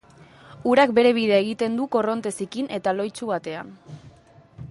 urak bere bidea egiten du korronte zikin eta lohitsu batean